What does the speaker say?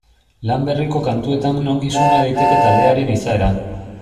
Lan berriko kantuetan ongi suma daiteke taldearen izaera.